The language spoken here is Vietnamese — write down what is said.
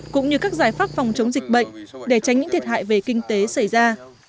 cũng như các giải pháp phòng chống dịch bệnh để tránh những thiệt hại về kinh tế xảy ra